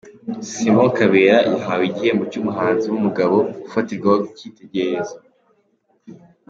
Simon Kabera yahawe igihembo cy'umuhanzi w'umugabo ufatirwaho icyitegererezo.